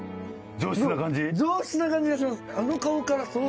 上質な感じがします。